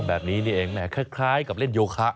แบบนี้นี่เองแหมคล้ายกับเล่นโยคะ